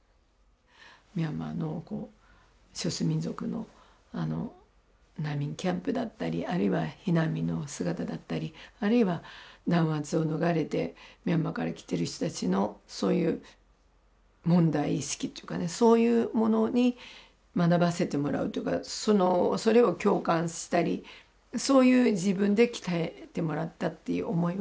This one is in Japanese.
ミャンマーの少数民族の難民キャンプだったりあるいは避難民の姿だったりあるいは弾圧を逃れてミャンマーから来てる人たちのそういう問題意識っていうかねそういうものに学ばせてもらうというかそれを共感したりそういう自分で鍛えてもらったっていう思いはありますね。